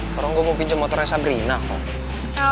kalau gue mau pinjam motornya sabrina kok